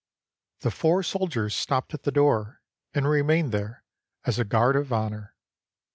The four soldiers stopped at the door, and remained there as a guard of honor.